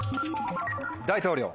「大統領」。